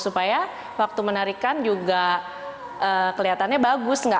supaya waktu menarikan juga kelihatannya bagus